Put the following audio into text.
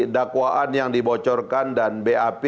dakwaan yang dibocorkan dan bap